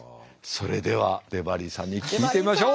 それではデバリーさんに聞いてみましょう。